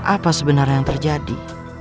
apa sebenarnya yang terjadi